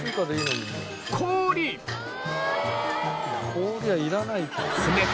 氷はいらないって。